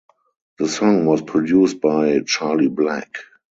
The song was produced by Charlie Black.